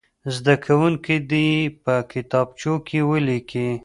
زده کوونکي دې یې په کتابچو کې ولیکي.